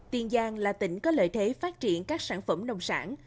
tiền giang là tỉnh có lợi thế phát triển các sản phẩm nông sản